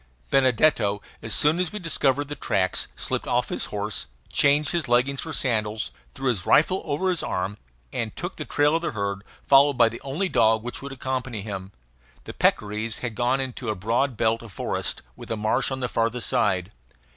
Benedetto, as soon as we discovered the tracks, slipped off his horse, changed his leggings for sandals, threw his rifle over his arm, and took the trail of the herd, followed by the only dog which would accompany him. The peccaries had gone into a broad belt of forest, with a marsh on the farther side.